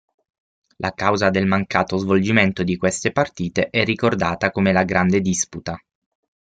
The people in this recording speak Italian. La causa del mancato svolgimento di queste partite è ricordata come la "grande disputa".